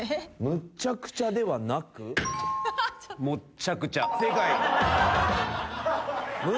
「むっちゃくちゃ」ではなく「もっちゃくちゃ」正解。